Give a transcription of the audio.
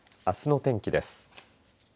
あすの天気です。